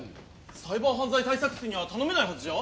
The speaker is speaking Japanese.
サイバー犯罪対策室には頼めないはずじゃ？